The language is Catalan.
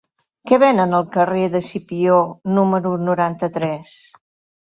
Què venen al carrer d'Escipió número noranta-tres?